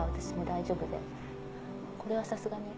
これはさすがに。